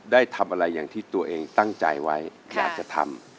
ได้ทำอะไรอย่างที่ตัวเองตั้งใจไว้อยากจะทำ